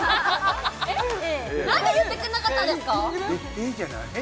Ａ何で言ってくれなかったんですかねえ